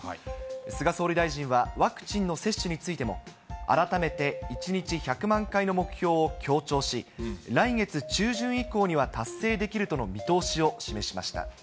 菅総理大臣はワクチンの接種についても、改めて１日１００万回の目標を強調し、来月中旬以降には達成できるとの見通しを示しました。